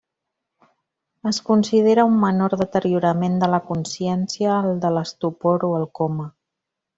Es considera un menor deteriorament de la consciència al de l'estupor o el coma.